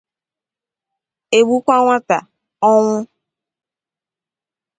egbukwa nwata? Ọnwụ